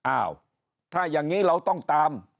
อ้าวถ้าอย่างนี้เราต้องตาม